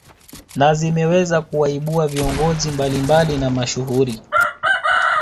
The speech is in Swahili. Na zimeweza kuwaibua viongozi mablimbali na mashuhuri